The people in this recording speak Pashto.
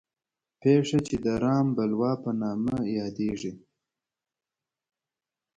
پېښه چې د رام بلوا په نامه یادېږي.